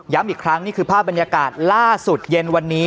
อีกครั้งนี่คือภาพบรรยากาศล่าสุดเย็นวันนี้